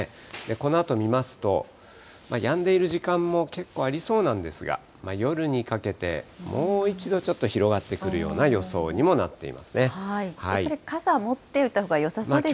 このあと見ますと、やんでいる時間も結構ありそうなんですが、夜にかけて、もう一度ちょっと広がってくるような予想にもなっていやっぱり、傘持っておいたほうがよさそうですね。